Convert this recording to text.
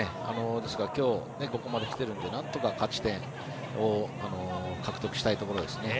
ですから今日、ここまで来てるのでなんとか勝ち点を獲得したいところですね。